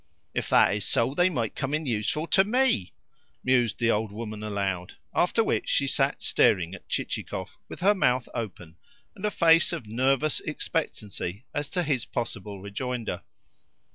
"If that is so, they might come in useful to ME," mused the old woman aloud; after which she sat staring at Chichikov with her mouth open and a face of nervous expectancy as to his possible rejoinder.